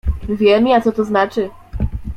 "Wiem ja, co to znaczy!"